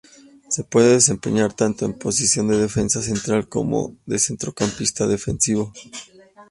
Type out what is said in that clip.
Se puede desempeñar tanto en posición de defensa central como de centrocampista defensivo.